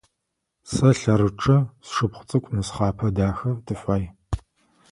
Сэ лъэрычъэ, сшыпхъу цӏыкӏу нысхъапэ дахэ тыфай.